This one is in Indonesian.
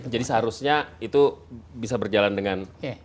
jadi seharusnya itu bisa berjalan dengan